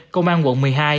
công an quận một mươi hai